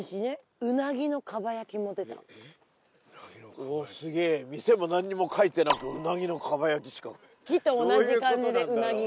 うわすげえ店も何にも描いてなく「うなぎのかばやき」しか。